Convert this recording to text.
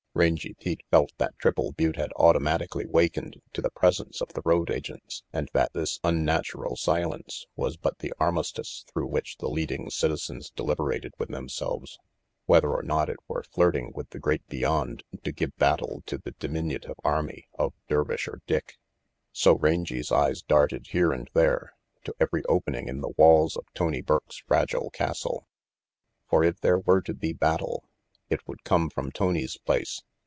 Rangy Pete felt that Triple Butte had auto matically wakened to the presence of the road agents and that this unnatural silence was but the armistice through which the leading citizens delib erated with themselves whether or not it were flirting with the Great Beyond to give battle to the diminutive army of Dervisher Dick. So Rangy's eyes darted here and there, to every opening in the walls of Tony Burke's fragile castle. For if there were to be battle, it would come from Tony's place.